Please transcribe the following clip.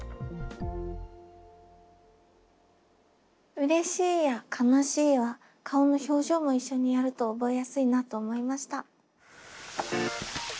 「うれしい」や「悲しい」は顔の表情も一緒にやると覚えやすいなと思いました。